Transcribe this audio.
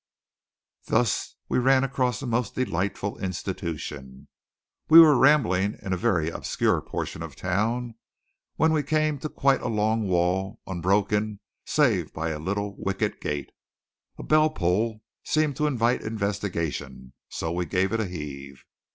Thus we ran across a most delightful institution. We were rambling in a very obscure portion of town when we came to quite a long wall unbroken save by a little wicket gate. A bell pull seemed to invite investigation; so we gave it a heave.